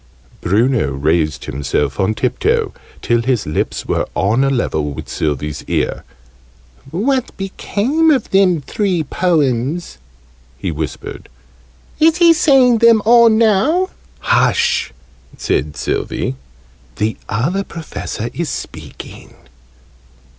Bruno raised himself on tiptoe, till his lips were on a level with Sylvie's ear. "What became of them three Poems?" he whispered. "Is he saying them all, now?" "Hush!" said Sylvie. "The Other Professor is speaking!"